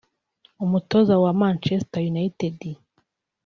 Umutoza wa Manchester United